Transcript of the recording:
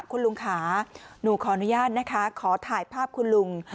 คุณลุงค่ะหนูขออนุญาตนะคะขอถ่ายภาพคุณลุง